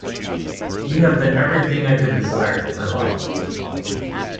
You have been everything I could desire, my love.